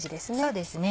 そうですね。